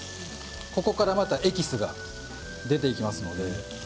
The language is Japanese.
ここからまたエキスが出てきますからね。